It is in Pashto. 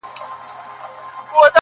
ماما مه گوره، پوستين ئې گوره.